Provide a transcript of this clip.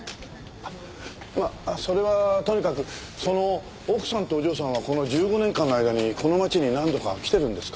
まあそれはともかくその奥さんとお嬢さんはこの１５年間の間にこの町に何度か来てるんですか？